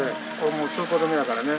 もう通行止めやからね。